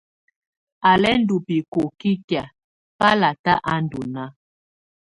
Á lɛ́ ndɔ́ bicoci kɛ̀á, balatá á ndɔ́ naá.